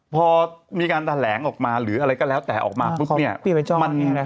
พอมีการแถลงออกมาหรืออะไรก็แล้วแต่ออกมาปุ๊บเนี่ย